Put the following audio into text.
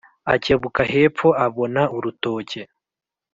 akebuka hepfo abona urutoke,